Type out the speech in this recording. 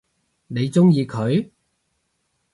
你鍾意佢？